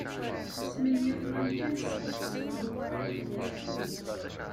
Smenyafeɣ amkan sdat tzewwut.